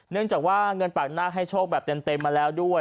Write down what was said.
เนื่องจากว่าเงินปากหน้าให้โชคแบบเต็มมาแล้วด้วย